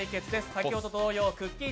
先ほど同様、くっきー！